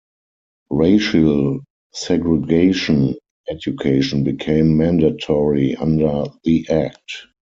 Racial segregation in education became mandatory under the Act.